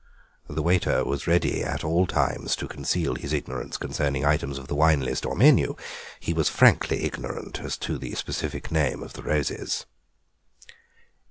The waiter was ready at all times to conceal his ignorance concerning items of the wine list or menu; he was frankly ignorant as to the specific name of the roses.